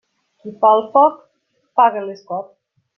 Qui fa el foc paga l'escot.